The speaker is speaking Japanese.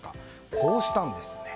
こうしたんですね。